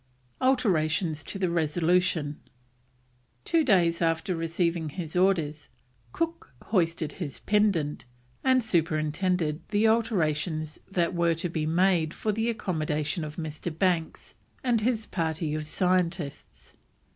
ALTERATIONS TO THE RESOLUTION. Two days after receiving his orders, Cook hoisted his pendant and superintended the alterations that were to be made for the accommodation of Mr. Banks and his party of scientists.